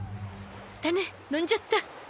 種飲んじゃった。